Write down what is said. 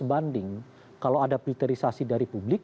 harus sebanding kalau ada filterisasi dari publik